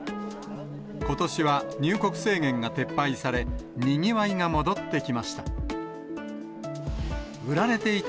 ことしは入国制限が撤廃され、にぎわいが戻ってきました。